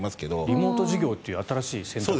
リモート授業という新しい選択肢が。